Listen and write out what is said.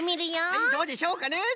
はいどうでしょうかね。